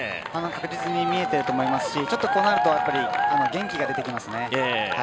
確実に見えていると思いますしこうなると元気が出てきますね。